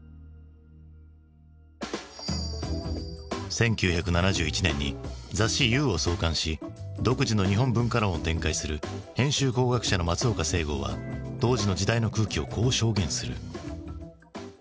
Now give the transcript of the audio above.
１９７１年に雑誌「遊」を創刊し独自の日本文化論を展開する編集工学者の松岡正剛は当時の時代の空気をこう証言する。